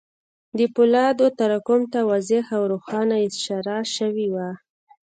د پولادو تراکم ته واضح او روښانه اشاره شوې وه